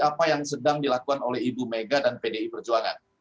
apa yang sedang dilakukan oleh ibu mega dan pdi perjuangan